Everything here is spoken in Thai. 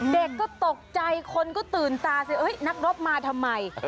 เด็กก็ตกใจคนก็ตื่นตาสินักรบมาทำไม